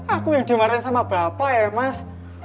aku yang dimarahin sama bapak ya mas